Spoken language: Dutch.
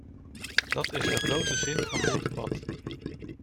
Dat is de grote zin van dit debat.